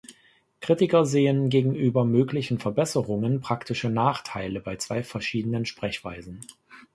Kritiker sehen gegenüber möglichen Verbesserungen praktische Nachteile bei zwei verschiedenen Sprechweisen.